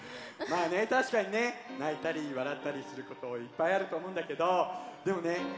まあねたしかにねないたりわらったりすることいっぱいあるとおもうんだけどでもね